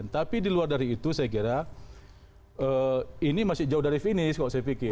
tapi di luar dari itu saya kira ini masih jauh dari finish kalau saya pikir